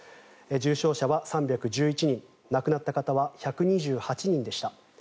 重症者は３１１人亡くなった方は１２８人でした。